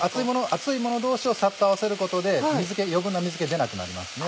熱いもの同士をサッと合わせることで余分な水気出なくなりますね。